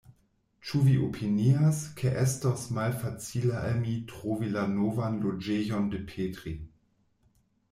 Ĉu vi opinias, ke estos malfacile al mi trovi la novan loĝejon de Petri.